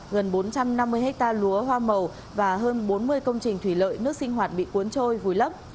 gần bốn trăm năm mươi hectare lúa hoa màu và hơn bốn mươi công trình thủy lợi nước sinh hoạt bị cuốn trôi vùi lấp